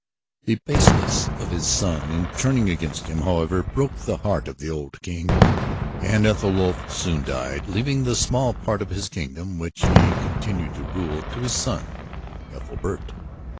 The baseness of his son in turning against him, however, broke the heart of the old king. And Ethelwulf soon died, leaving the small part of his kingdom which he had continued to rule to his son, Ethelbert.